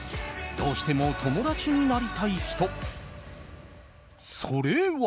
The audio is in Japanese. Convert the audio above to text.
どうしても友達になりたい人それは。